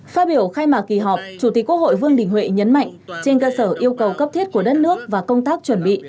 phát biểu khai mạc kỳ họp chủ tịch quốc hội vương đình huệ nhấn mạnh trên cơ sở yêu cầu cấp thiết của đất nước và công tác chuẩn bị